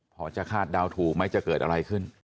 พอจะคาดเดาถูกไหมจะเกิดอะไรขึ้น